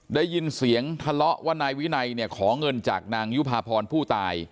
ได้ยินเสียงทะเลาะว่านายวินัยเนี่ยขอเงินจากนางยุภาพรผู้ตาย